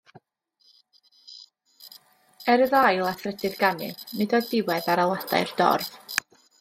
Er iddo ail a thrydydd ganu, nid oedd diwedd ar alwadau'r dorf.